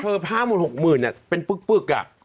เธอประมาณ๕๖หมื่นเนี่ยเป็นปื๊กอ่ะ